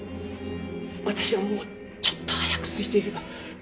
私がもうちょっと早く着いていれば。